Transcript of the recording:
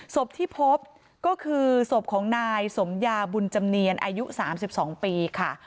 ศพที่พบก็คือศพของนายสมยาบุญจำเนียนอายุ๓๒ปีค่ะ